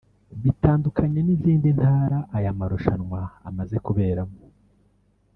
Bitandukanye n’izindi Ntara aya marushanwa amaze kuberamo